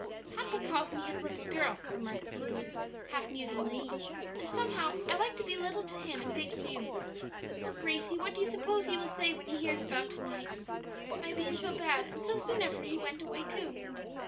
"Papa calls me his little girl," remarked Lulu, half musingly; "and somehow I like to be little to him and big to you. Oh, Gracie, what do you suppose he will say when he hears about to night? my being so bad; and so soon after he went away, too."